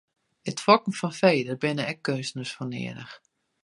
It fokken fan fee, dêr binne ek keunstners foar nedich.